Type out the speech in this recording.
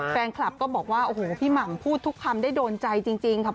แฟนคลับก็บอกว่าโอ้โหพี่หม่ำพูดทุกคำได้โดนใจจริงค่ะ